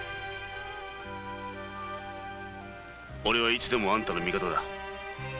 オレはいつでもあんたの味方だ。